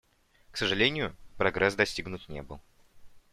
К сожалению, прогресс достигнут не был.